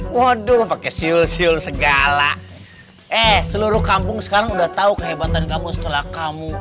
waduh pakai siul sil segala eh seluruh kampung sekarang udah tahu kehebatan kamu setelah kamu